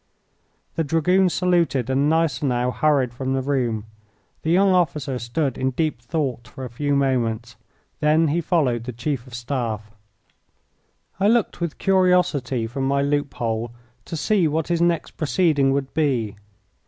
The Dragoon saluted and Gneisenau hurried from the room. The young officer stood in deep thought for a few moments. Then he followed the Chief of the Staff. I looked with curiosity from my loophole to see what his next proceeding would be.